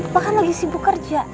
bapak kan lagi sibuk kerja